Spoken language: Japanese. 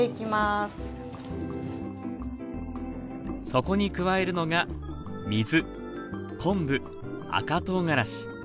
そこに加えるのが水昆布赤とうがらし。